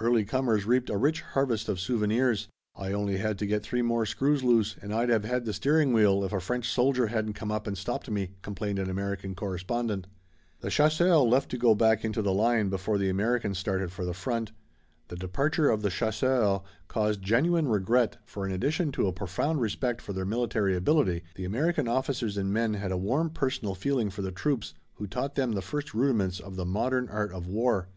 Early comers reaped a rich harvest of souvenirs. "I only had to get three more screws loose and I'd have had the steering wheel if a French soldier hadn't come up and stopped me," complained an American correspondent. The chasseurs left to go back into the line before the Americans started for the front. The departure of the chasseurs caused genuine regret, for in addition to a profound respect for their military ability, the American officers and men had a warm personal feeling for the troops who taught them the first rudiments of the modern art of war.